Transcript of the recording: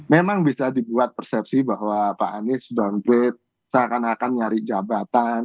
memang bisa dibuat persepsi bahwa pak anies downgrade seakan akan nyari jabatan